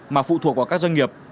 mà phụ thuộc vào các doanh nghiệp